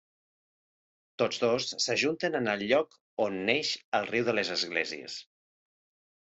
Tots dos s'ajunten en el lloc on neix el riu de les Esglésies.